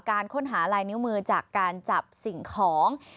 การค้นหาลายนิ้วมือจากการจับสิ่งของ